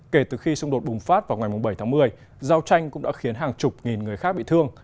kể từ khi xung đột bùng phát vào ngày bảy tháng một mươi giao tranh cũng đã khiến hàng chục nghìn người khác bị thương